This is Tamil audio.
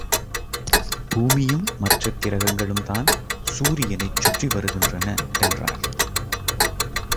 பூமியும் மற்ற கிரகங்களும் தான் சூரியனைச் சுற்றி வருகின்றன என்றார்.